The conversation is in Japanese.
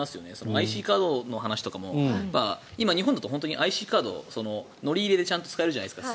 ＩＣカードの話とか今、日本だとＩＣカード乗り入れでちゃんと使えるじゃないですか。